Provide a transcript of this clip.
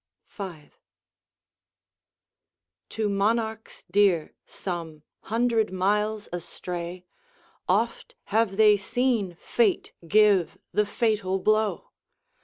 V [To monarchs dear, some hundred miles astray, Oft have they seen Fate give the fatal blow!